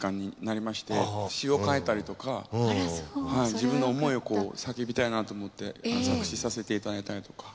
自分の思いを叫びたいなと思って作詞させていただいたりとか。